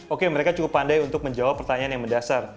oke mereka cukup pandai untuk menjawab pertanyaan yang mendasar